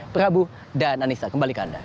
prabu dan anissa kembalikan